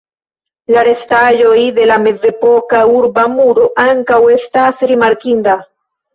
La restaĵoj de la mezepoka urba muro ankaŭ estas rimarkinda.